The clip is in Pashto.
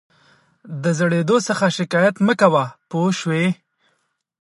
د زړېدو څخه شکایت مه کوه پوه شوې!.